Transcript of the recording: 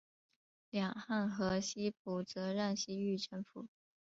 两汉和西晋则让西域臣服。